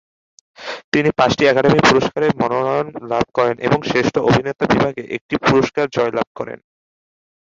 তিনি পাঁচটি একাডেমি পুরস্কারের মনোনয়ন লাভ করেন এবং শ্রেষ্ঠ অভিনেতা বিভাগে একটি পুরস্কার জয়লাভ করেন।